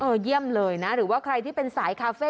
เยี่ยมเลยนะหรือว่าใครที่เป็นสายคาเฟ่